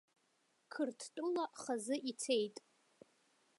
Қырҭтәыла хазы ицеит.